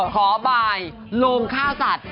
ขอบายโรงข้าวสัตว์